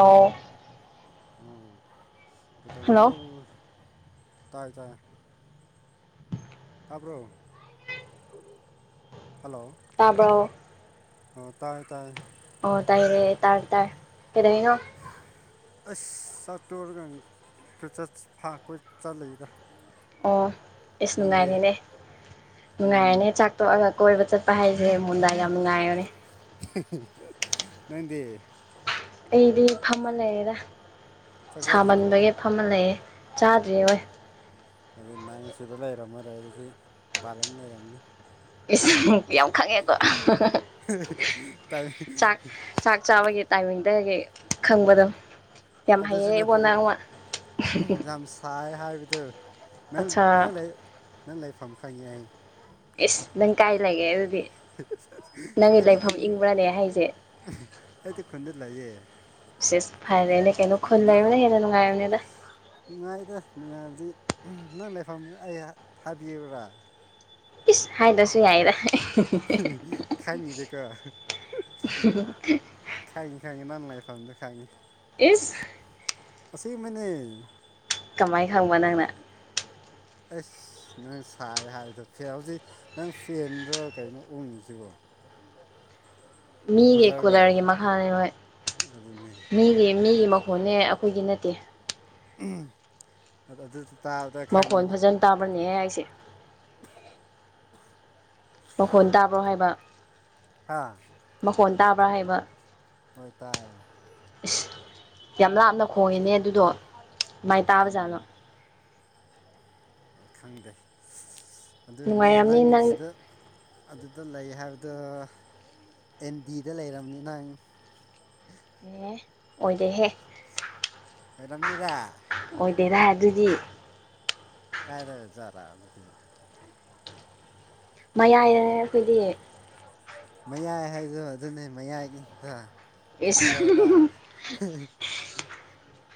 Hello ꯑꯥ ꯀꯩꯗꯧꯔꯤꯅꯣ hello ꯇꯥꯏ ꯇꯥꯢ ꯇꯥꯕ꯭ꯔꯣ ꯍꯜꯂꯣ ꯇꯥꯔꯕꯣ ꯑꯣ ꯇꯥꯔ° ꯇꯥꯔꯦ ꯑꯣ ꯇꯥꯏꯔꯦ ꯇꯥꯔ ꯇꯥꯔ ꯀꯩꯗꯧꯅꯣ ꯑꯁ ꯆꯥꯛꯠꯇꯒ ꯀꯣꯏꯆꯠ ꯐꯥ ꯀꯣꯏ ꯆꯠꯂꯤꯗ [inaudible] ꯑꯣ ꯏꯁ ꯅꯪꯗꯤ ꯅꯨꯡꯉꯥꯏꯔꯦꯅꯦ ꯎꯝ ꯅꯨꯡꯉꯥꯏꯔ°ꯅꯦ ꯆꯥꯛ ꯇꯣꯛꯑꯒ ꯀꯣꯏꯕ ꯆꯠꯄ ꯍꯥꯏꯁꯦ ꯃꯨꯟꯗꯥ ꯌꯥꯝ ꯅꯨꯡꯉꯥꯏꯕꯅꯦ ꯅꯪꯗꯤ ꯑꯩꯗꯤ ꯐꯝꯃ ꯂꯩꯔꯦꯗ ꯆꯥꯛ ꯆꯥꯗ꯭ꯔꯤꯕꯣ ꯁꯥꯃꯟꯕꯒꯤ ꯐꯝꯃ ꯂꯩꯌꯦꯦ ꯆꯥꯗ꯭ꯔꯤ ꯑꯣꯏ ꯑꯗꯨ ꯅꯪ ꯁꯤꯗ ꯂꯩꯔꯝꯃꯔꯢ ꯑꯗꯨꯗꯤ ꯃꯄꯥꯜ ꯂꯥꯝꯗ ꯂꯩꯔꯝꯅꯤ ꯏꯁ ꯌꯥꯝ ꯈꯪꯉꯦꯀꯣ ꯆꯥꯛ ꯆꯥꯛ ꯆꯥꯕꯒꯤ ꯇꯥꯏꯃꯤꯡꯗꯒꯤ ꯈꯪꯕꯗꯣ ꯌꯥꯝ ꯑꯗꯨꯁꯨ ꯍꯩꯌꯦ ꯏꯕꯣ ꯅꯠꯇꯦ ꯅꯪ ꯑꯃꯥ ꯌꯥꯝ ꯁꯥꯏꯌꯦ ꯍꯥꯏꯕꯗꯨ ꯅꯪ ꯑꯠꯆꯥ ꯅꯪ ꯅꯪ ꯂꯩꯐꯝ ꯈꯪꯉꯦ ꯑꯩ꯫ ꯑꯦꯁ ꯅꯪ ꯀꯥꯏ ꯂꯩꯒꯦ ꯑꯗꯨꯗꯤ ꯅꯪꯒꯤ ꯑꯩꯗꯤ ꯂꯩꯐꯝ ꯈꯨꯟ ꯏꯪꯕ꯭ꯔꯅꯦ ꯍꯥꯏꯁꯦ ꯑꯩꯗꯤ ꯈꯨꯟꯗ ꯂꯩꯌꯦ ꯁꯤꯦꯁ ꯐꯥꯏꯔꯦꯅꯦ ꯀꯩꯅꯣ ꯈꯨꯜ ꯅ ꯂꯩꯕꯅꯤꯅ ꯍꯦꯟꯅ ꯅꯨꯡꯉꯥꯏꯔꯕꯅꯤꯗ ꯅꯨꯡꯉꯥꯏꯗ ꯅꯨꯡꯉꯥꯏꯕꯗꯤ ꯅꯪ ꯂꯩꯐꯝ ꯑꯩ ꯍꯥꯏꯕꯤꯎꯔ ꯏꯁ ꯍꯥꯏꯗꯔꯁꯨ ꯌꯥꯏꯗ ꯈꯪꯉꯤꯗ ꯒꯣ ꯈꯪꯏ ꯈꯪꯏ ꯅꯪ ꯂꯥꯏꯐꯝꯗꯣ ꯈꯪꯉꯤ ꯏꯁ ꯑꯁ‌ꯦꯡꯕꯩꯅ‌ꯦ ꯀꯃꯥꯏꯅ ꯈꯪꯕ ꯅꯪꯅ ꯑꯁ ꯅꯪ ꯁꯥꯏ ꯍꯥꯏꯕꯗꯣ ꯐꯦ ꯍꯧꯖꯤꯛ ꯅꯪ ꯐꯦꯟꯗ꯭ꯔꯣ ꯀꯩꯅꯣ ꯎꯡꯉꯤꯁꯤꯕꯣ ꯃꯤꯒꯤ ꯀꯨꯂꯔꯔꯣ ꯀꯨꯂꯔꯒꯤ ꯃꯈꯥꯅꯤ ꯈꯣꯢ ꯑꯗꯨꯅꯦ ꯃꯤꯒꯤ ꯃꯤꯒꯤ ꯃꯈꯣꯟꯅꯦ ꯑꯩꯈꯣꯏꯒꯤ ꯅꯠꯇꯦ ꯑ ꯑꯗꯨ [inaudible] ꯃꯈꯣꯟ ꯐꯖꯅ ꯇꯥꯕꯅꯦꯍꯦ ꯑꯩꯁꯦ ꯃꯈꯣꯟ ꯇꯥꯕ꯭ꯔꯣ ꯍꯥꯏꯕ ꯍꯥꯥ ꯃꯈꯣꯟ ꯇꯥꯕ꯭ꯔꯥ ꯍꯥꯏꯕ ꯍꯣꯏ ꯇꯥꯏ ꯏꯁꯁ ꯌꯥꯝ ꯂꯥꯞꯅ ꯈꯣꯡꯉꯤꯅꯦ ꯑꯗꯨꯗꯣ ꯀꯃꯥꯏꯅ ꯇꯥꯕ ꯖꯥꯠꯅꯣ ꯎꯝ ꯈꯪꯗꯦ ꯑꯗꯨꯅꯦ ꯅꯪ ꯁꯤꯗ ꯑꯗꯨꯗ ꯂꯩ ꯍꯥꯏꯕꯗꯣ ꯑꯦꯟ ꯗꯤꯗ ꯂꯩꯔꯝꯅꯤ ꯅꯪ ꯑꯦ ꯑꯣꯏꯗꯦꯍꯦ ꯑꫭꯏꯔꯝꯅꯤꯗꯥ ꯑꯣꯏꯗꯦꯗꯥ ꯑꯗꯨꯗꯤ꯫ ꯀꯥꯏꯗꯒꯖꯥꯔꯥ ꯑꯗꯨꯗꯤ ꯃꯌꯥꯏꯗꯅꯦ ꯑꯩꯈꯣꯏꯗꯤ ꯃꯌꯥꯏ ꯍꯥꯏꯗꯣ ꯑꯗꯨꯅꯦ ꯃꯌꯥꯏꯒꯤꯗ ꯀꯦꯄꯤꯇꯦꯜꯗ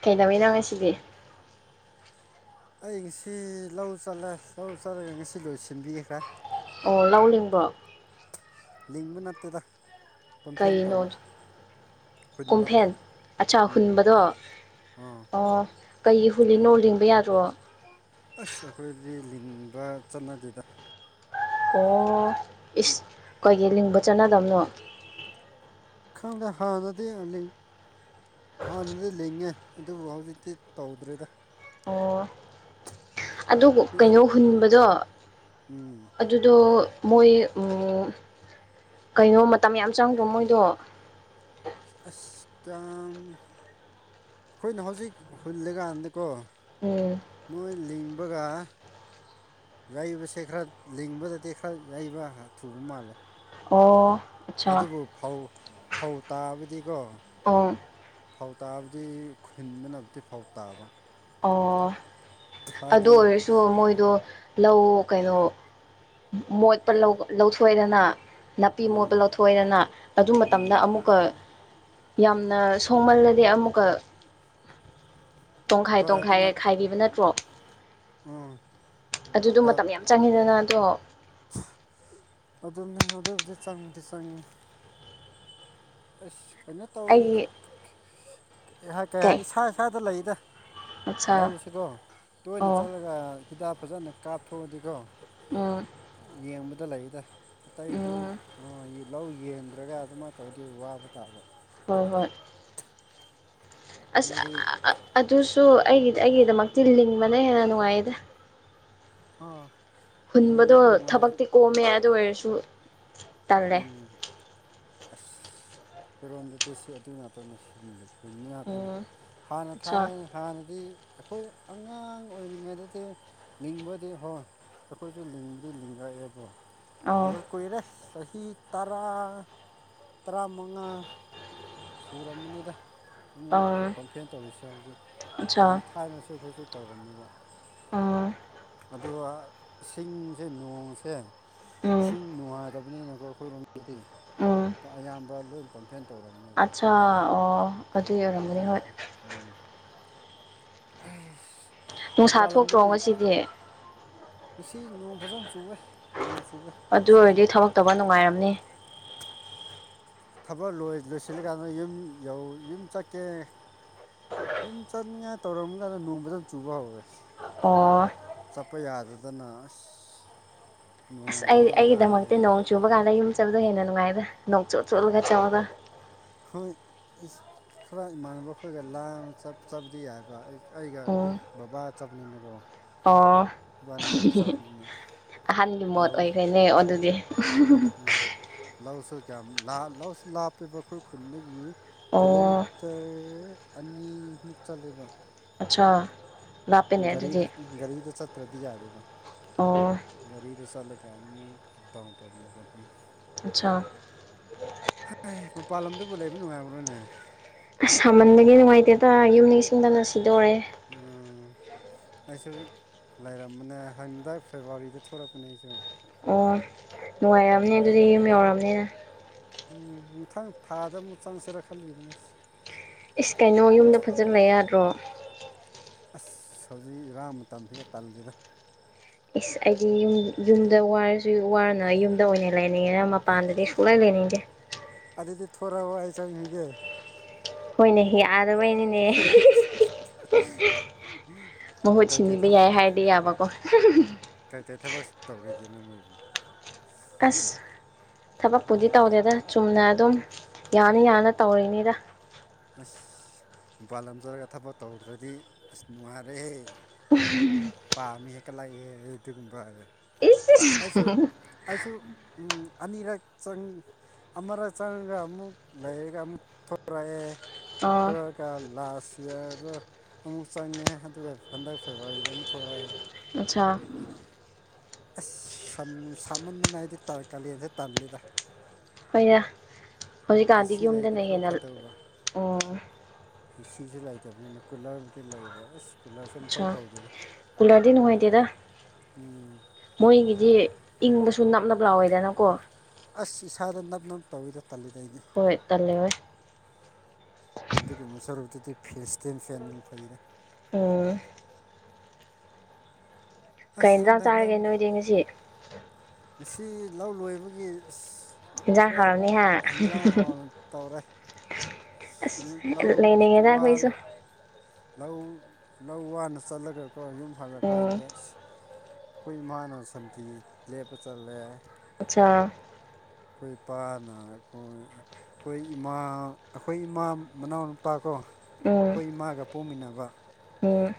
ꯀꯩꯗꯩꯔꯤꯅꯣ ꯉꯁꯤꯗꯤ ꯑꯩ ꯉꯁꯤ ꯂꯧ ꯆꯠꯂꯦ ꯂꯧ ꯆꯠꯂꯒꯥ ꯉꯁꯤ ꯂꯣꯏ ꯁꯤꯟꯕꯤꯈ꯭ꯔꯦ꯫ ꯑꯣ ꯂꯧ ꯂꯤꯡꯕ꯭ꯔꯣ ꯂꯤꯡꯕ ꯅꯠꯇꯦꯗ ꯀꯝꯐꯦꯟ ꯀꯩꯅꯣ ꯇꯧꯕ ꯍꯨꯟꯕ ꯀꯣꯝꯐꯦꯟ ꯑꯆꯥ ꯎꯝ ꯍꯨꯟꯕꯗꯣ ꯑꯥ ꯑꯣ ꯀꯩꯒꯤ ꯍꯨꯜꯂꯤ ꯅꫭ ꯂꯤꯡꯕ ꯌꯥꯗ꯭ꯔꯣ ꯑꯥꯁ ꯑꯩꯈꯣꯏꯗꯤ ꯂꯤꯡꯕ ꯆꯠꯅꯗꯦꯗꯥ ꯑꯣ ꯏꯁ ꯀꯣꯏꯒꯤ ꯂꯤꯡꯕ ꯆꯠꯅꯗꯕꯅꯣ ꯈꯪꯗꯦ ꯍꯥꯟꯅꯗꯤ ꯉꯜꯂꯤ ꯍꯥꯟꯅꯗꯤ ꯂꯤꯡꯉꯦ ꯑꯗꯨꯕꯨ ꯍꯧꯖꯤꯛꯇꯤ ꯇꯧꯗ꯭ꯔꯦꯗ ꯑꯗꯨꯕꯨ ꯎꯝ ꯀꯩꯅꯣ ꯍꯨꯟꯕꯗꯣ ꯑꯗꯨꯗꯣ ꯃꯣꯏ ꯀꯩꯅꯣ ꯃꯇꯝ ꯌꯥꯝ ꯆꯪꯕ꯭ꯔꯣ ꯃꯣꯏꯗꯣ ꯑꯁ ꯀꯥꯝ ꯑꯩꯈꯣꯏꯅ ꯍꯧꯖꯤꯛ ꯍꯨꯜꯂꯀꯥꯟꯗꯀꯣ ꯎꯝ ꯅꯣꯏ ꯂꯤꯡꯕꯒ ꯌꯩꯕꯁꯦ ꯈꯔ ꯂꯤꯡꯕꯗꯗꯤ ꯈꯔ ꯌꯩꯕ ꯊꯨꯕ ꯃꯥꯜꯂꯦ ꯑꯣ ꯑꯠꯆꯥ ꯑꯗꯨꯕꯨ ꯐꯧ ꯐꯧ ꯇꯥꯕꯗꯤꯀꯣ ꯑꯥ ꯐꯧ ꯇꯥꯕꯗꯤ ꯈꯨꯟꯕ ꯅꯕꯨꯗꯤ ꯐꯧ ꯇꯥꯕ ꯑꯣ ꯑꯗꯨ ꯍꯥꯏꯗꯤ ꯑꯣꯏꯔꯁꯨ ꯃꯣꯏꯗꯣ ꯂꯧ ꯀꯩꯅꯣ ꯃꯣꯠꯄ ꯂꯧꯊꯣꯏꯑꯗꯅ ꯅꯥꯄꯤ ꯃꯣꯠꯄꯥ ꯎꯝ ꯂꯧꯊꯣꯏꯗꯅꯥ꯫ ꯑꯗꯨ ꯃꯇꯝꯗ ꯎꯝ ꯑꯃꯨꯛꯀ ꯌꯥꯝꯅ ꯁꯣꯃꯜꯂꯗꯤ ꯑꯃꯨꯛꯀ [inaudible] ꯇꯣꯡꯈꯥꯏ ꯍꯣꯏ ꯇꯣꯡꯈꯥꯏ ꯑꯗꯨꯃꯥꯏ ꯈꯥꯏꯈꯤꯕ ꯅꯠꯇ꯭ꯔꯣ ꯎꯝ ꯑꯗꯨꯗꯣ ꯃꯇꯝ ꯌꯥꯝ ꯆꯪꯉꯤꯗꯅ ꯑꯗꯣ ꯑꯗꯨꯅꯤ ꯑꯗꯨꯕꯨꯗꯤ ꯆꯪꯕꯨꯗꯤ ꯆꯪꯉꯤ꯫ ꯑꯁ ꯀꯩꯅꯣ ꯇꯧ ꯑꯩꯒꯤ ꯀꯩ ꯍꯥꯏ ꯏꯁꯥ ꯏꯁꯥꯗ ꯂꯩꯗ ꯑꯠꯆꯥ ꯂꯧꯁꯤꯀꯣ ꯇꯣꯏꯅ ꯑꯣ ꯆꯠꯂꯒ ꯍꯤꯗꯥꯛ ꯐꯖꯅ ꯀꯥꯞꯊꯣꯛꯑꯗꯤꯀꯣ ꯑꯝꯝ ꯌꯦꯡꯕꯗ ꯂꯩꯗꯥ ꯑꯇꯩꯗꯤ ꯎꯝ ꯂꯧ ꯌꯦꯡꯗ꯭ꯔꯒ ꯑꯗꯨꯃꯥꯏꯅ ꯇꯧꯏ ꯋꯥꯕ ꯇꯥꯕ ꯍꯣꯏ ꯍꯣꯏ ꯑꯁ ꯅꯣꯏꯗꯤ ꯑꯗꯨꯁꯨ ꯑꯩꯒꯤ ꯑꯩꯒꯤꯗꯃꯛꯇꯤ ꯂꯤꯡꯕꯅ ꯍꯦꯟꯅ ꯅꯨꯡꯉꯥꯏꯗ ꯑꯣ ꯍꯨꯟꯕꯗꯣ ꯊꯕꯛꯇꯤ ꯀꯣꯝꯃꯦ ꯑꯗꯨ ꯑꯣꯏꯔꯁꯨ ꯇꯜꯂꯦ ꯎꯝ ꯑꯁ ꯐꯤꯔꯣꯝꯗꯗꯤꯁꯤ ꯑꯗꯨ ꯉꯥꯛꯇꯅꯦ ꯍꯨꯟꯕ ꯉꯥꯛꯇꯅꯦ ꯎꯝ ꯍꯥꯟꯅ ꯑꯆꯥ ꯊꯥꯏ ꯍꯥꯟꯅꯗꯤ ꯑꯩꯈꯣꯏ ꯑꯉꯥꯡ ꯑꯣꯏꯔꯤꯉꯩꯗꯗꯤ ꯂꯤꯡꯕꯗꯤ ꯍꯣꯏ ꯑꯩꯈꯣꯏꯁꯨ ꯂꯤꯡꯕꯗꯤ ꯂꯤꯡꯉꯛꯑꯦꯕꯨ ꯑꯣ ꯑꯗꯤ ꯀꯨꯏꯔꯦ ꯆꯍꯤꯗꯤ ꯇꯔꯥ ꯇꯔꯥꯃꯉꯥ ꯁꯨꯔꯝꯃꯅꯤꯗ ꯑꯃꯨꯛ ꯎꯝ ꯀꯝꯐ꯭ꯂꯦꯟ ꯇꯧꯔꯤꯁꯦ ꯍꯧꯖꯤꯛ ꯑꯆꯥ ꯍꯥꯟꯅ ꯊꯥꯏꯅꯁꯨ ꯑꯩꯈꯣꯏꯁꯨ ꯇꯧꯔꯝꯃꯦꯕ ꯎꯝ ꯑꯗꯨꯒ ꯏꯁꯤꯡꯁꯦ ꯅꯣꯡꯁꯦ ꯎꯝ ꯏꯁꯤꯡ ꯅꯨꯡꯉꯥꯏꯇꯕꯅꯤꯅꯀꯣ ꯑꯩꯈꯣꯏꯔꯣꯝꯗꯗꯤ ꯑꯌꯥꯝꯕ ꯂꯣꯏ ꯄꯝꯐꯦꯟ ꯇꯧꯔꯕꯅꯦꯕ ꯑꯠꯆꯥꯥ ꯑꯣ ꯑꯗꯨ ꯑꯣꯏꯔꯝꯒꯅꯤ ꯍꯣꯏ ꯎꯝ ꯑꯩꯏꯁ ꯅꯨꯡꯁꯥ ꯃꯄꯥꯟ ꯊꯣꯛꯇ꯭ꯔꯣ ꯂꯝꯗꯕꯨ ꯉꯁꯤꯗꯤ ꯉꯁꯤ ꯅꯣꯡ ꯐꯖꯅ ꯆꯨꯏꯌꯦ ꯅꯣꯡ ꯆꯨꯏꯌꯦ ꯑꯗꯨ ꯑꯣꯏꯔꯗꯤ ꯊꯕꯛꯛ ꯇꯧꯕꯥ ꯅꯨꯡꯉꯥꯏꯔꯝꯅꯤ꯫ ꯊꯕꯛ ꯂꯣꯏ ꯂꯣꯏꯁꯤꯜꯂꯀꯥꯟꯗ ꯌꯨꯝ ꯌꯧ ꯌꯨꯝ ꯆꯠꯀꯦ ꯌꯨꯝ ꯆꯠꯅꯤꯡꯉꯥꯏ ꯇꯧꯔꯝꯀꯥꯟꯗ ꯅꯣꯡ ꯐꯖꯅ ꯆꯨꯕ ꯍꯧꯔꯦ ꯑꯣꯑꯑ ꯆꯠꯄ ꯌꯥꯗꯗꯅ ꯑꯁ ꯅꯣꯡ ꯐꯕꯅ ꯉꯥꯏ ꯂꯩꯕꯅꯤ ꯅꫭꯡ ꯆꯨꯝꯕ ꯀꯥꯟꯗ ꯌꯨꯝ ꯆꯠꯕꯗꯣ ꯍꯦꯟꯅ ꯅꯨꯡꯉꯥꯏꯗꯥ ꯅꯣꯛ ꯆꯣꯠ ꯆꯣꯠꯂꯒ ꯆꯠꯔꯒ ꯍꯣꯏ ꯈꯔ ꯏꯃꯥꯟꯅꯕ ꯑꯩꯈꯣꯏꯒ ꯂꯥꯡꯕ ꯆꯠꯄꯗꯤ ꯌꯥꯏꯕ ꯑꯩꯒ ꯑꯩꯈꯣꯏ ꯕꯕꯥꯒ ꯆꯠꯄꯅꯤꯅꯀꯣ ꯏꯕꯥꯅꯤ ꯈꯛꯇ ꯑꫭꯑꫭ ꯆꯠꯄꯅꯤꯅ ꯑꯍꯟꯒꯤ ꯃꯣꯠ ꯂꯧ ꯑꯣꯏꯈ꯭ꯔꯦꯅꯦ ꯑꯗꯨꯗꯤ ꯂꯧꯁꯨ ꯀꯌꯥꯝ ꯂꯧꯁꯨ ꯂꯥꯞꯄꯦꯕ ꯑꯈꯣꯏ ꯈꯨꯟꯗꯒꯤ ꯑꯣ ꯀꯤꯂꯣ ꯛꯇꯔ ꯑꯅꯤꯃꯨꯛ ꯆꯜꯂꯦꯕ ꯑꯆꯥ ꯒꯥꯔꯤꯗ ꯒꯥꯔꯤꯗ ꯆꯠꯇ꯭ꯔꯗꯤ ꯌꯥꯗꯦ ꯕꯥ꯫ ꯑꯣ ꯒꯥꯔꯤꯗ ꯆꯠꯂꯒ ꯑꯗꯨꯃꯛ ꯑꯞ ꯗꯥꯎꯟ ꯇꯧꯕꯅꯦꯕ ꯑꯗꯨꯝ ꯑꯆꯥꯥ ꯍꯥꯏ ꯃꯄꯥꯜ ꯂꯝꯗꯕꯨ ꯂꯩꯕ ꯅꯨꯡꯉꯥꯏꯕ꯭ꯔꯣꯅꯦ ꯑꯁ ꯁꯥꯃꯟꯕꯒꯤ ꯅꯨꯡꯉꯥꯏꯇꯦꯗ ꯌꯨꯝ ꯅꯤꯡꯁꯤꯡꯗꯅ ꯁꯤꯗꯣꯔꯦ ꯎꯝ ꯑꯩꯁꯨ ꯂꯩꯔꯝꯕꯅꯦ ꯍꯟꯗꯛ ꯐꯦꯕꯋꯥꯔꯤꯗꯥ ꯊꯣꯛꯂꯛꯄꯅꯦ ꯑꯩꯁꯨ ꯑꯣꯑ ꯅꯨꯡꯉꯥꯏꯔꯝꯅꯤ ꯑꯗꯨꯗꯤ ꯌꯨꯝ ꯌꯧꯔꯕꯅꯤꯅꯥ ꯎꯝ ꯃꯊꯪ ꯊꯥꯗ ꯑꯃꯨꯛ ꯆꯪꯁꯤꯔꯥ ꯈꯜꯂꯤꯕꯅꯤ ꯑꯩꯁꯤ ꯑꯦꯁ ꯀꯩꯅꯣ ꯌꯨꯝꯗ ꯐꯖꯟꯕ ꯂꯩ ꯌꯥꯗ꯭ꯔꯣ ꯑꯁ ꯍꯧꯖꯤꯛ ꯏꯔꯥꯡ ꯃꯇꯝꯁꯤꯒ ꯇꯜꯂꯤꯗ ꯑꯩꯗꯤ ꯌꯨꯝ ꯌꯨꯝꯗ ꯋꯥꯔꯁꯨ ꯋꯥꯅ ꯌꯨꯝꯗ ꯑꯣꯏꯅ ꯂꯩꯅꯤꯡꯉꯦꯅ ꯃꯄꯥꯟꯗꯗꯤ ꯁꯨꯛꯂꯩ ꯂꯩꯅꯤꯡꯗ‌‌ꯦ ꯑꯗꯨꯗꯤ ꯊꯣꯔꯛꯑꯣ ꯑꯩ ꯆꯪꯉꯥꯒꯦ ꯍꯣꯏꯅꯦ ꯍꯦ ꯌꯥꯗꯕꯩꯅꯤꯅꯦ [inaudible] ꯃꯍꯨꯠ ꯁꯤꯟꯕꯤꯕ ꯌꯥꯏ ꯍꯥꯏꯔꯗꯤ ꯌꯥꯕꯀꯣ ꯀꯩ ꯀꯩ ꯊꯕꯛ ꯇꯧꯔꯤꯒꯦꯅꯦ ꯃꯣꯏꯕꯨ ꯑꯁꯁ ꯊꯕꯛꯄꯨꯗꯤ ꯇꯧꯗꯦꯗꯥ ꯆꯨꯝꯅ ꯑꯗꯨꯝ ꯌꯥꯅ ꯌꯥꯅ ꯇꯧꯔꯤꯅꯤꯗꯥ꯫ ꯑꯁ ꯃꯄꯥꯥꯟ ꯂꯝꯗ ꯆꯠꯔꯒ ꯊꯕꯛ ꯇꯧꯗ꯭ꯔꯗꯤ ꯑꯁ ꯅꯨꯡꯉꯥꯏꯔꯦꯍꯦ ꯄꯥꯝꯃꯤ ꯍ°ꯛꯇꯥ ꯂꯩꯔꯛꯏ ꯑꯗꯨꯒꯨꯝꯕ ꯏꯁ ꯑꯩꯁꯨ ꯑꯩꯁꯨ ꯑꯅꯤꯔꯛ ꯆꯪ ꯑꯃꯔ ꯆꯪꯉꯒ ꯑꯃꯨꯛ ꯂꯩꯔꯒ ꯑꯃꯨꯛ ꯊꯣꯔꯛꯑꯦ ꯑꯣ ꯊꫭꯛꯑꯒ ꯀ ꯂꯥꯁ ꯌꯤꯌꯥꯔꯗꯥ ꯑꯃꯨꯛ ꯆꯪꯉꯦ ꯑꯗꯨꯒ ꯍꯟꯗꯛ ꯐꯦꯕꯋꯥꯔꯤꯗ ꯑꯃꯨꯛ ꯊꫭꯔꯛꯑꯦ꯫ ꯑꯆꯥ ꯑꯁ ꯁꯥꯃꯟꯗꯨꯅ ꯍꯥꯏꯗꯤ ꯀꯥꯂꯦꯟꯗꯦ ꯇꯜꯂꯤꯗ ꯍꯣꯏꯅꯦ ꯍꯧꯖꯤꯛꯀꯥꯟꯗꯤ ꯑꯦꯁꯤ ꯂꯩꯔꯗꯤ ꯌꯨꯝꯗꯅ ꯈꯔ ꯍꯦꯟꯅ ꯐꯗꯧꯕ ꯎ ꯑꯦꯁꯤꯁꯨ ꯂꯩꯇꯕꯅꯤꯅ ꯀꯨꯂꯔꯕꯨꯗꯤ ꯂꯩꯕ ꯑꯁ ꯀꯨꯂꯔꯁꯦ ꯑꯠꯆꯥ ꯃꯊꯧ ꯇꯧꯗ‌ꯦꯗꯥ ꯀꯨꯂꯔꯗꯤ ꯅꯨꯡꯉꯥꯏꯇꯦꯗ ꯎꯝ ꯃꯣꯏꯒꯤꯗꯤ ꯏꯪꯕꯁꯨ ꯅꯞꯅꯕ ꯂꯥꯎꯋꯦꯗꯅꯀꯣ ꯑꯁ ꯏꯁꯥꯗ ꯅꯞ ꯅꯞ ꯇꯧꯋꯦꯗ ꯇꯜꯂꯤꯗ ꯑꯩꯗꯤ ꯍꫭꯏ ꯇꯜꯂ‌ꯦ ꯑꯗꯨꯒꯨꯝꯕ ꯁꯔꯨꯛꯇꯨꯗꯤ ꯐꯦꯁ ꯇꯦꯟ ꯗꯨꯝ ꯐꯩꯗ ꯑꯣ ꯀꯩ ꯑꯁ ꯏꯟꯖꯥꯡ ꯈꯪꯗꯦ ꯅꯪ ꯆꯥꯔꯒꯦ ꯅꯣꯏꯗꯤ ꯉꯁꯤ ꯉꯁꯤ ꯂꯧ ꯂꯣꯏꯕꯒꯤ ꯑꯁ ꯏꯟꯖꯥꯡ ꯈꯔ ꯍꯥꯎꯔꯝꯅꯤ ꯍꯥ ꯍꯦꯟꯖꯥꯡ ꯍꯥꯎꯅꯥ ꯇꯧꯔꯦ ꯑꯁ ꯁꯤ ꯂꯧ ꯂꯩꯅꯤꯡꯉꯦꯗ ꯑꯩꯈꯣꯏꯁꯨ ꯋꯥꯅ ꯂꯧ ꯂꯧ ꯋꯥꯅ ꯆꯠꯂꯒꯀꯣ ꯌꯨꯝ ꯍꯜꯂ ꯎꯝ ꯀꯥꯟꯗ ꯑꯩꯈꯣꯏ ꯏꯃꯥꯅ ꯁꯟꯊꯤ ꯂꯦꯞꯄ ꯆꯠꯂꯦ ꯑꯆꯥ ꯑꯩꯈꯣꯒꯤ ꯏꯄꯥꯅ ꯑꯩꯈꯣꯏ ꯑꯩꯈꯣꯏ ꯏꯃꯥ ꯑꯩꯈꯣꯏ ꯏꯃꯥ ꯃꯅꯥꯎꯅꯨꯄꯥ ꯀꯣ ꯑꯩꯈꯣꯏ ꯏꯃꯥꯒ ꯄꯣꯛꯃꯤꯟꯅꯕ ꯑꯣꯑ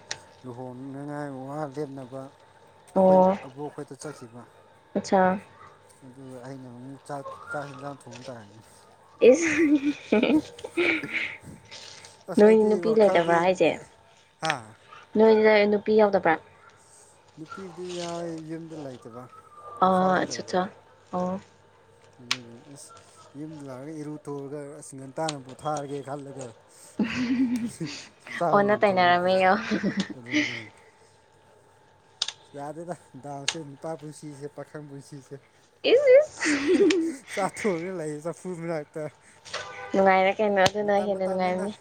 ꯂꯨꯍꯣꯡꯅꯉꯥꯏ ꯋꯥ ꯂꯦꯅꯕ ꯑꯩꯈꯣꯏ ꯑꯕꯣꯛ ꯑꯩꯈꯣꯏꯗ ꯆꯠꯈꯤꯕ ꯑꯆꯥꯥ ꯑꯗꯨ ꯑꯩꯅ ꯑꯃꯨꯛ ꯆꯥꯛ ꯆꯥꯛ ꯌꯦꯟꯁꯥꯡ ꯊꯣꯡ ꯇꯥꯔꯅꯦ ꯏꯁ ꯑꯁ ꯅꯣꯏꯗꯤ ꯑꯩꯗꯤ ꯅꯨꯄꯤ ꯋꯥꯈꯜꯗꯤ ꯂꯩꯇꯕ꯭ꯔꯥ ꯍꯥꯏꯁꯦ ꯍꯥ ꯅꯣꯏ ꯅꯨꯄꯤ ꯌꯥꯎꯗꯕ꯭ꯔ ꯅꯨꯄꯤꯗꯤ ꯌꯥꯑꯏ ꯌꯨꯝꯗ ꯂꯩꯇꯕ ꯏꯝꯐꯥꯜꯗ ꯑꯆꯥ ꯑꯠꯆꯥ ꯑꯣ ꯑꯗꯨꯗꯒꯤ ꯑꯁ ꯌꯨꯝꯗ ꯂꯥꯛꯑꯒ ꯏꯔꯨ ꯊꯣꯛꯔꯒ ꯆꯤꯡꯒꯟ ꯇꯥꯅ ꯄꯣꯊꯥꯔꯒꯦ ꯈꯜꯂꯒ ꯆꯥꯛ ꯑꯣꯟꯅ ꯑꯣꯏꯅ ꯊꯣꯡꯉ ꯇꯩꯅꯔꯝꯃꯦꯌꯣ ꯌꯥꯗꯦꯗꯥ ꯗꯥꯎꯁꯦ ꯅꯨꯄꯥ ꯄꯨꯟꯁꯤꯁꯦ ꯄꯥꯈꯪ ꯄꯨꯟꯁꯤꯁꯦ꯫ ꯏꯁ ꯏꯁ ꯁꯥꯇꯨꯅ ꯂꯦ ꯆ ꯐꯨꯗ ꯂꯥꯛꯇ ꯅꯨꯡꯉꯥꯏꯔꯦ ꯀꯩꯅꯣ ꯑꯗꯨꯅ ꯍꯦꯟꯅ ꯅꯨꯡꯉꯥꯏꯔꯝꯅꯤ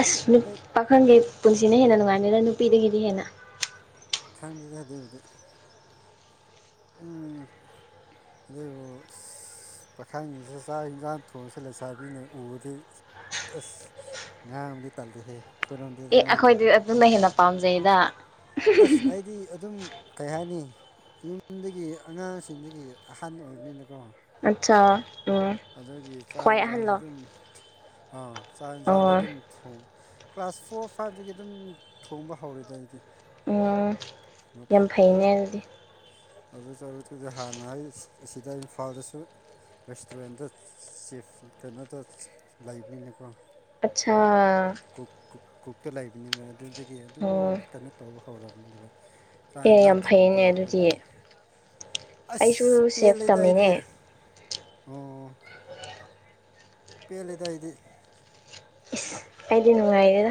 ꯑꯁ ꯃꯤꯠ ꯍꯦꯛ ꯄꯥꯈꯪꯒꯤ ꯄꯨꯟꯁꯤꯅ ꯍꯦꯟꯅ ꯅꯨꯡꯉꯥꯏꯅꯤꯅ ꯅꯨꯄꯤꯗꯒꯤꯗꯤ ꯍꯦꯟꯅ ꯈꯪꯗꯦꯗ ꯑꯗꯨꯦ ꯎꯗ ꯑꯗꯨ ꯄꯥꯈꯥꯏꯅꯤꯁ ꯆꯥꯛ ꯌꯦꯟꯖꯥꯡ ꯊꯣꯡꯁ ꯂꯩꯁꯥꯕꯤꯅ ꯎꯕꯗꯤ ꯑꯁ ꯉꯥ ꯑꯃꯗꯤ ꯇꯥꯗꯦꯍꯦ ꯑꯦ ꯑꯩꯈꯣꯏꯗꯤ ꯑꯗꯨꯅ ꯍꯦꯟꯅ ꯄꯥꯝꯖꯩꯗ ꯑꯁ ꯑꯩꯗꯤ ꯑꯗꯨꯝ ꯀꯩ ꯍꯥꯏꯅꯤ ꯌꯨꯝꯗꯒꯤ ꯑꯉꯥꯡꯁꯤꯡꯗꯒꯤ ꯑꯍꯥꯟꯕ ꯑꯣꯏꯕꯅꯤꯅꯀꯣ ꯑꯆꯥꯥ ꯑꯗꯨꯒꯤ ꯆꯥꯛ ꯌꯦꯟꯁꯥꯡꯁꯦ ꯑꯗꯨꯝ ꯆꯥꯛ ꯌꯦꯟꯁꯥꯡꯗꯤ ꯑꯣ ꯑꯗꯨꯝ ꯊꯣꯡ ꯀ꯭ꯂꯥꯁ ꯐꯣꯔ ꯐꯥꯏꯚꯇꯗꯒꯤ ꯑꯗꯨꯝ ꯊꯣꯡꯕ ꯍꯧꯔꯦꯗ ꯑꯩꯗꯤ ꯎꯝ ꯌꯥꯝ ꯐꯩꯅꯦ ꯑꯗꯨꯗꯤ ꯑꯗꯨ ꯗꯁꯨ ꯍꯥꯟꯅ ꯑꯩ ꯑꯁꯤꯗ ꯏꯝꯐꯥꯜꯗꯁꯨ ꯔꯦꯁꯇꯨꯔꯦꯟꯗ ꯆꯤꯐ ꯀꯩꯅꯣꯗꯨ ꯂꯩꯕꯅꯤꯅꯀꯣ꯫ ꯑꯆꯥꯥ ꯀꯨꯛ ꯀꯨꯛꯇ ꯂꯩꯕꯅꯤꯕ ꯑꯗꯨꯗꯒꯤ ꯑꯗꯨꯝ ꯑꯣ ꯀꯩꯅꯣ ꯇꯧꯕ ꯍꯧꯔꯕꯔꯕꯅꯤ ꯕꯥ ꯆꯥꯛ ꯑꯦ ꯌꯦꯟꯁꯥꯡ ꯌꯥꯝ ꯊꯣꯡꯕ ꯐꯩꯅꯦ ꯑꯗꯨꯗꯤ ꯑꯩꯈꯣꯏꯗꯗꯤ ꯑꯥꯁꯁ ꯑꯩꯁꯨ ꯁꯦꯐ ꯄꯦꯜꯂꯦꯗꯥ ꯇꯝꯃꯤꯅꯦ ꯑꯩꯗꯤ ꯑꯣ ꯄꯦꯜꯜꯂꯤꯗꯏꯗꯤ ꯑꯥꯏꯗꯤ ꯅꯨꯅꯨꯡꯉꯥꯏꯒꯦꯗ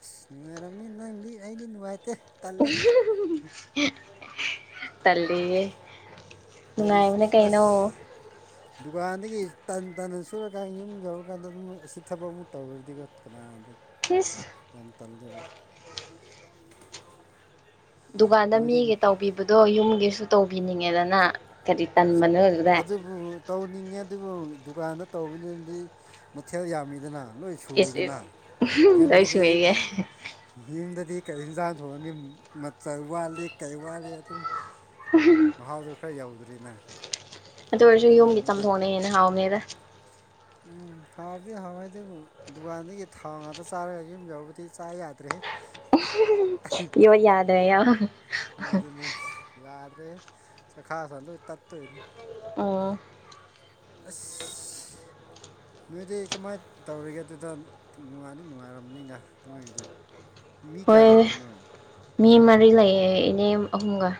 ꯑꯁ ꯅꯨꯡꯉꯥꯏꯔꯕꯅꯤ ꯅꯪꯗꯤ ꯑꯩꯗꯤ ꯅꯨꯡꯉꯥꯏꯇꯦ ꯇꯜꯂꯦ ꯇꯜꯂꯤꯦ ꯍꯥꯏꯗꯤ ꯉꯅꯨꯡꯥꯏꯕꯅꯦ ꯑꯁ ꯀꯩꯅꯩꯅꯣ ꯗꯨꯀꯥꯟꯗꯒꯤ ꯇꯟ ꯇꯅ ꯁꯨꯔꯀꯥꯟꯗ ꯌꯨꯝ ꯌꯧꯔꯀꯥꯟꯗ ꯑꯗꯨꯝ ꯑꯁꯤ ꯊꯕꯛ ꯑꯃꯨꯛ ꯇꯧꯔꯗꯤꯀꯣ ꯀꯅꯥꯅꯣ ꯑ ꯏꯁ ꯌꯥꯝ ꯇꯜꯖꯔꯕ ꯗꯨꯀꯥꯟꯗ ꯅꯣꯏꯗꯤ ꯃꯤꯒꯤ ꯇꯧꯕꯤꯕꯗꯣ ꯌꯨꯝꯒꯤꯁꯨ ꯇꯧꯕꯤꯅꯤꯡꯉꯦꯗꯅ ꯀꯔꯤ ꯇꯟꯕꯅꯣ ꯑꯗꯨꯗ ꯑꯗꯨꯕꯨ ꯇꯧꯅꯤꯡꯉꯦ ꯑꯗꯨꯕꯨ ꯗꯨꯀꯥꯟꯗꯥ ꯇꯧꯕꯗꯨꯅꯗꯤ ꯃꯊꯦꯜ ꯌꯥꯝꯃꯤꯗꯅ ꯂꯣꯏꯅꯥ ꯏꯁ ꯁꯨꯏꯗꯅ ꯏꯁ ꯂꯣꯏ ꯌꯨꯝꯗꯗꯤ ꯁꯨꯏꯌꯦ ꯌꯨꯝꯗꯗꯤ ꯀꯔꯤ ꯌꯦꯟꯖꯥꯡ ꯊꯣꯡꯑꯅꯤ ꯃꯆꯜ ꯋꯥꯠꯂꯤ ꯀꯩ ꯋꯥꯠꯂꯤ ꯑꯗꯨꯝ ꯃꯍꯥꯎꯗꯨꯣ ꯈꯔ ꯌꯧꯗ꯭ꯔꯤ ꯅꯪ ꯑꯗꯨ ꯑꯣꯏꯔꯁꯨ ꯌꯨꯝꯒꯤ ꯇꯝꯊꯣꯛꯅꯩꯦꯅ ꯍꯥꯎꯅꯦꯗ ꯎꯝ ꯍꯥꯎꯕꯗꯤ ꯍꯥꯎꯋꯦ ꯑꯗꯨꯕꯨ ꯗꯨꯀꯥꯟꯗꯒꯤ ꯊꯥꯎ ꯉꯥꯛꯇ ꯆꯥꯔꯒ ꯌꯨꯝ ꯌꯥꯎꯕꯗꯤ ꯆꯥ ꯌꯥꯗ꯭ꯔꯦꯍꯦ ꯌ ꯌꯥꯗ꯭ꯔꯣ ꯑꯗꯨꯅꯦ ꯌꯥꯗ꯭ꯔꯦ ꯆꯈꯥꯥꯎꯒꯥ ꯂꫭꯏꯅꯥ ꯇꯠꯇꯣꯏꯅꯤ ꯑꯣ ꯑꯁ ꯅꯣꯏꯗꯤ ꯀꯃꯥꯏꯅ ꯇꯧꯔꯤꯒꯦ ꯑꯗꯨꯗ ꯅꯨꯡꯉꯥꯏꯅꯤ ꯅꯨꯡꯉꯥꯏꯔꯃꯅꯤꯗ ꯅꯣꯏꯒꯤꯗꯤ꯫ ꯃꯤ ꯀꯌꯥ ꯍꯣꯏ ꯂꯩꯕ꯭ꯔꯥ ꯅꫭꯏ꯫ ꯃꯤ ꯃꯔꯤ ꯂꯩꯑ ꯏꯅꯦ ꯑꯍꯨꯝꯒ꯫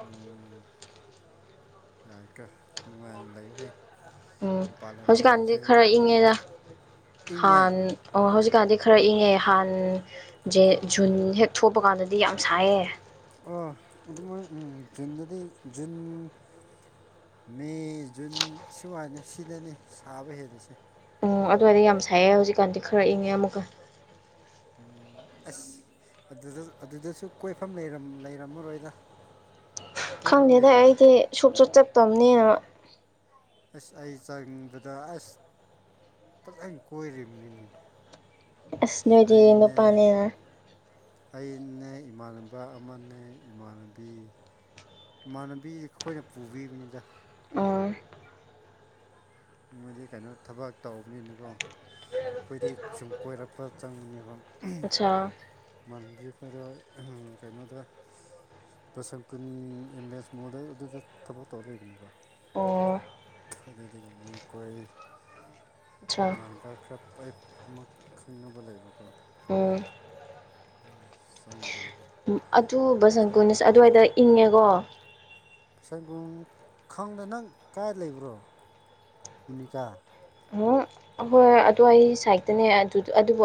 ꯑꯣꯝ ꯌꯥꯀꯣ ꯅꯨꯡꯉꯥꯏꯅ ꯂꯩꯌꯨꯍꯦ꯫ ꯎꯝ ꯃꯄꯥꯟ ꯂꯝꯗ ꯍꯧꯖꯤꯛꯀꯥꯟꯗꯤ ꯂꯩꯕꯁꯦ ꯈꯔ ꯏꯪꯉꯦꯗ ꯏꯪꯉꯦ ꯍꯥꯟ꯫ ꯑꯣ ꯍꯧꯖꯤꯛꯀꯥꯟꯗꯤ ꯈꯔ ꯏꯪꯉꯦ ꯍꯥꯟꯁꯦ ꯖꯨꯟ ꯍꯦꯛ ꯊꯣꯛꯄ ꯀꯥꯟꯗꯗꯤ ꯌꯥꯝ ꯁꯥꯏꯌꯦ꯫ ꯑ ꯑꯗꯨꯃꯛꯥꯏ ꯎꯝ ꯖꯨꯟꯗꯗꯤ ꯖꯨꯟ꯫ ꯃꯦ ꯖꯨꯟ ꯁꯨꯃꯥꯏꯅ ꯁꯤꯗꯅꯤ ꯁꯥꯕ ꯍꯦꯂꯁꯦ꯫ ꯑꫭꯑꫭ ꯑꯗꯨꯋꯥꯏꯗꯥ ꯌꯥꯝ ꯁꯥꯏꯑꯌꯦ ꯍꯧꯖꯤꯛꯀꯥꯟꯗꯤ ꯈꯔ ꯏꯪꯉꯦ ꯑꯃꯨꯛꯀꯥ꯫ ꯎꯝ ꯑꯁ ꯑꯗꯨꯗ ꯑꯗꯨꯗꯁꯨ ꯀꯣꯏꯐꯝ ꯂꯩꯔꯝꯃꯔꯣꯏꯗ꯫ [inaudible] ꯈꯪꯗꯦꯗ ꯂꯩꯕ꯭ꯔꯣ ꯑꯩꯗꯤ ꯁꯨꯛꯆꯠ ꯆꯠꯇꯕꯅꯤꯅ꯫ ꯑꯁ ꯑꯩ ꯆꯪꯕꯗ ꯑꯁ ꯐꯖꯅ ꯀꯣꯏꯔꯤꯕꯅꯤꯅꯦ꯫ ꯑꯁ ꯅꯣꯏꯗꯤ ꯅꯨꯄꯥꯅꯤꯅ꯫ ꯑꯅꯦ ꯏꯃꯥꯟꯅꯕ ꯑꯃꯅꯦ ꯏꯃꯥꯟꯅꯕꯤ꯫ ꯏꯃꯥꯟꯅꯕꯤ ꯑꯩꯈꯣꯏꯅ ꯄꯨꯕꯤꯕꯅꯤꯗ꯫ ꯑꯥ ꯃꯣꯏꯗꯤ ꯀꯩꯅꯣ ꯊꯕꯛ ꯇꯧꯕꯅꯤꯅꯀꯣ꯫ ꯑꯩꯈꯣꯏꯗꯤ ꯁꯨꯝ ꯀꯣꯏꯔꯛꯄ ꯆꯪꯕꯅꯦꯕ꯫ ꯑꯆꯥ꯫ ꯏꯃꯟꯅꯕꯤ ꯑꯩꯈꯣꯏꯗ ꯀꯩꯅꯣꯗ꯫ ꯕꯁꯀꯨꯟ ꯑꯦꯝꯕꯦꯟꯁ ꯃꯣꯗ ꯑꯗꯨꯗ ꯊꯕꯛ ꯇꯧꯔ ꯂꯩꯕꯅꯦꯕꯥ꯫꯫ ꯑꯣ ꯑꯗꯨꯗꯒꯤ ꯃꯣꯏ ꯀꯣꯏ꯫ ꯑꯠꯆꯥ ꯇꯣꯉꯥꯟꯕ ꯈꯔꯞꯥꯏꯞ ꯑꯃ ꯈꯪꯅꯕ ꯂꯩꯕꯀꯣ꯫ ꯎꯝ ꯆꯪꯕꯅ°ꯕꯥ꯫ ꯑꯗꯨ ꯕꯁꯟ ꯀꯨꯟꯁꯦ ꯑꯗꯨꯋꯥꯏꯗ ꯏꯪꯉꯦꯀꯣ꯫ ꯁꯥꯏꯒꯨꯝ ꯈꯪꯗ ꯅꯪ ꯀꯥꯏ ꯂꯩꯕ꯭ꯔꯣ ꯃꯨꯅꯤꯀꯥ꯫ ꯑꯣ [unintelligible] ꯑꯍꯣꯏ ꯑꯗꯨꯋꯥꯏ ꯁꯥꯏꯠꯇꯅꯦ ꯑꯗꯨꯕꯨ꯫